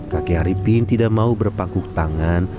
kakek haripin tidak mau berpakuk tangan